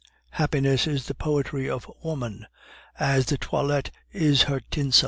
Happiness is the poetry of woman, as the toilette is her tinsel.